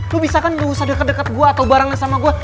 lo bisa kan ga usah deket deket gue atau barengan sama gue